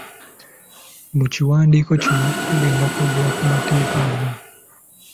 Mu kiwandiiko kino tugenda kwogera ku mateeka ana